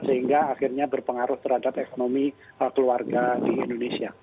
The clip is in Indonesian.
sehingga akhirnya berpengaruh terhadap ekonomi keluarga di indonesia